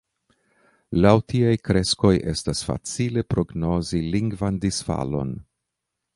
Laŭ tiaj kreskoj estas facile prognozi lingvan disfalon.